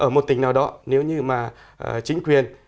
một tỉnh nào đó nếu như mà chính quyền